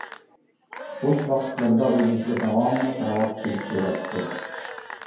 بوش ۋاقىتلىرىدا ئۇ بىزگە داۋاملىق راۋاب چېلىپ بېرەتتى.